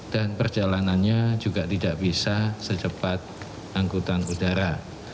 perjalanannya juga tidak bisa secepat angkutan udara